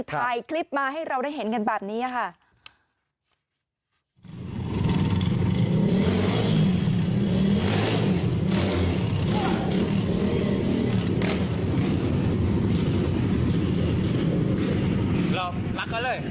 ถ่ายคลิปมาให้เราได้เห็นกันแบบนี้ค่ะ